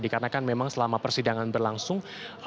dikarenakan memang selama persidangan berlangsung